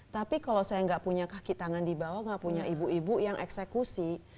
tapi kalau saya nggak punya kaki tangan di bawah nggak punya ibu ibu yang eksekusi